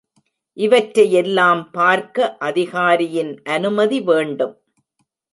இவற்றையெல்லாம் பார்க்க அதிகாரியின் அனுமதி வேண்டும்.